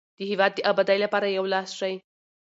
د هیواد د ابادۍ لپاره یو لاس شئ.